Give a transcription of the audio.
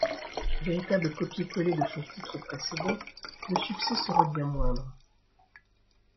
Véritable copié-collé de son titre précédent, le succès sera bien moindre.